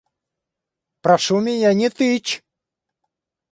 Прошу меня не тычь!